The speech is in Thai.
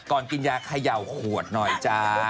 กินยาเขย่าขวดหน่อยจ้า